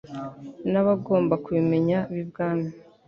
n'abagomba kubimenya b'i bwami.